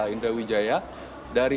indra wijaya dari